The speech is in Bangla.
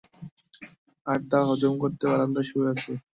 আর তা হজম করতে বারান্দায় শুয়ে আছে।